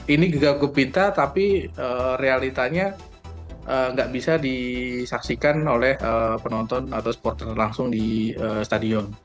ini gegap gempita tapi realitanya nggak bisa disaksikan oleh penonton atau supporter langsung di stadion